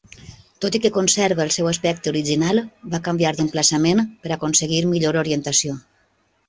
Tot i que conserva el seu aspecte original, va canviar d'emplaçament per aconseguir millor orientació.